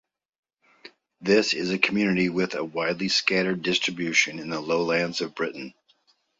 This is a community with a widely scattered distribution in the lowlands of Britain.